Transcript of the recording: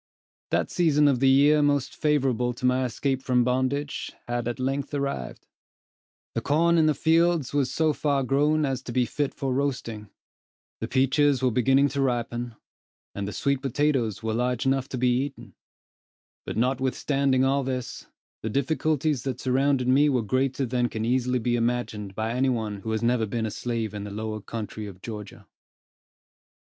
That season of the year most favorable to my escape from bondage, had at length arrived. The corn in the fields was so far grown as to be fit for roasting; the peaches were beginning to ripen, and the sweet potatoes were large enough to be eaten; but notwithstanding all this; the difficulties that surrounded me were greater than can easily be imagined by any one who has never been a slave in the lower country of Georgia.